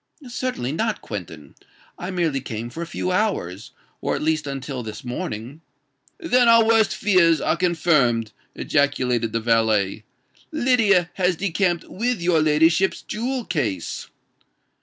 "Certainly not, Quentin: I merely came for a few hours—or at least until this morning——" "Then our worst fears are confirmed!" ejaculated the valet. "Lydia has decamped with your ladyship's jewel case."